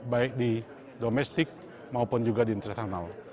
baik di domestik maupun juga di internasional